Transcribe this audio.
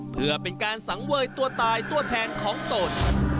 เพื่อเป็นการสังเวยตัวตายตัวแทนของตน